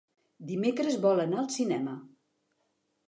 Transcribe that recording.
Dimecres vol anar al cinema.